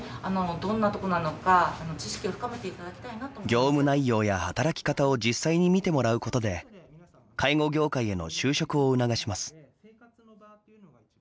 業務内容や働き方を実際に見てもらうことで介護業界への就職を促します。